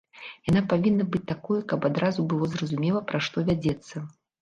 Яна павінна быць такой, каб адразу было зразумела, пра што вядзецца.